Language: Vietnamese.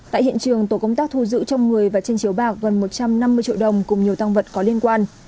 tại hiện trường tổ công tác thu giữ trong người và trên chiếu bạc gần một trăm năm mươi triệu đồng cùng nhiều tăng vật có liên quan